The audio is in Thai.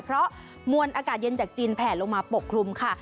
เพราะมวลอากาศเย็นจากจีนแผลลงมาปกคลุมค่ะ